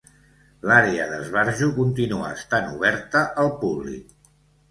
L'Àrea d'esbarjo continua estant oberta al públic.